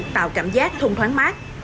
tạo cảm giác thông thoáng mát